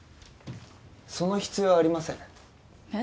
その必要はありませんえっ？